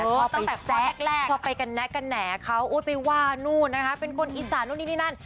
ชอบไปแซะชอบไปแกะแกะแหน่เขาไปว่านู่นเป็นคนอีสานนู่นนี่นี่นั่น